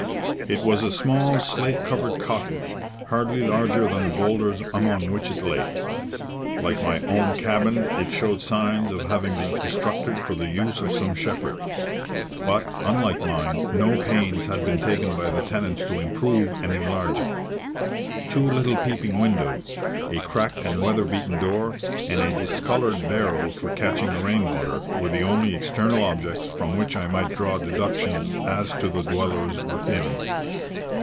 It was a small, slate covered cottage, hardly larger than the boulders among which it lay. Like my own cabin, it showed signs of having been constructed for the use of some shepherd; but, unlike mine, no pains had been taken by the tenants to improve and enlarge it. Two little peeping windows, a cracked and weather beaten door, and a discoloured barrel for catching the rain water, were the only external objects from which I might draw deductions as to the dwellers within.